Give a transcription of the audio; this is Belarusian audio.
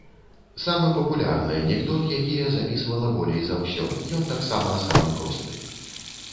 Самы папулярны анекдот, які я запісвала болей за ўсе, ён таксама самы просты.